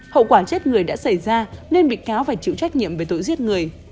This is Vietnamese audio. hậu quả chết người đã xảy ra nên bị cáo phải chịu trách nhiệm về tội giết người